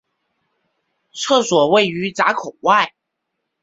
厕所位于闸口外。